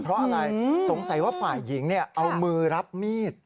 เพราะอะไรสงสัยว่าฝ่ายหญิงเอามือรับมีด